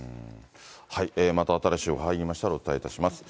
また、新しい情報入りましたら、お伝えいたします。